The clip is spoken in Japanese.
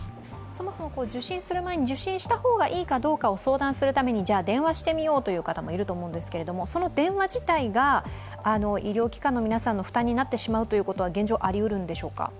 そもそも受診する前に受診した方がいいかどうかを相談するために電話してみようという方もいると思うんですが、その電話自体が医療機関の皆さんの負担になってしまうということは現状ありうるんでしょうか？